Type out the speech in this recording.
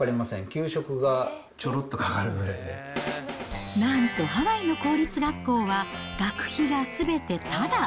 給食がちょろっとかかるぐらいでなんと、ハワイの公立学校は学費がすべてただ。